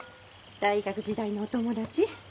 大学時代のお友達？